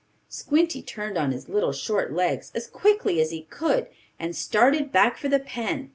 Squinty turned on his little short legs, as quickly as he could, and started back for the pen.